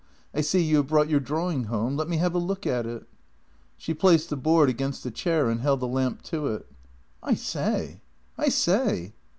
I see you have brought your drawing home. Let me have a look at it." She placed the board against a chair and held the lamp to it. " I say! I say!